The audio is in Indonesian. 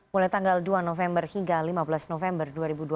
mulai tanggal dua november hingga lima belas november dua ribu dua puluh